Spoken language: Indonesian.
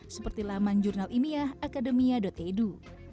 seperti lamang jurnal imiah akademia edu